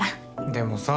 でもさ。